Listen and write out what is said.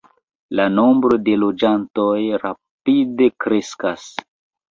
La nombro de loĝantoj rapide kreskas.